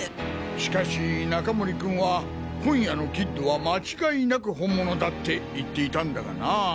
しかし中森君は今夜のキッドは間違いなく本物だって言っていたんだがなぁ。